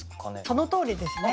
そのとおりですね。